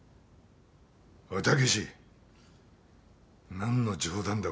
おい猛何の冗談だ？